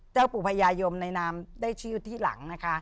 เจ้าปู่พญายมในนามได้ชื่อที่หลังนะคะ